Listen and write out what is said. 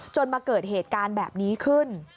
มาเกิดเหตุการณ์แบบนี้ขึ้น